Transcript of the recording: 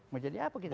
mau jadi apa kita